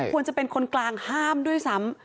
ควรจะเป็นคนกลางห้ามด้วยซ้ำ